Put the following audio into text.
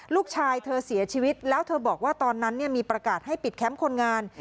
ลูกชายเธอเสียชีวิตแล้วเธอบอกว่าตอนนั้นมีประกาศให้ปิดแคมป์คนงาน